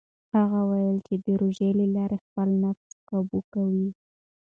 هغه وویل چې د روژې له لارې خپل نفس کابو کوي.